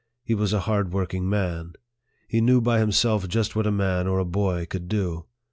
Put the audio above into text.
He was a hard working man. He knew by himself just what a man or a boy could do.